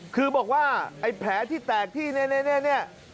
คือบอกว่าไอ้แผลที่แตกที่นี่